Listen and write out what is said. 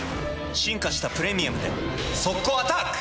進化した「プレミアム」で速攻アタック！